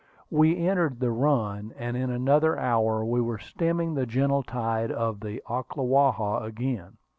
We entered the run, and in another hour we were stemming the gentle tide of the Ocklawaha again.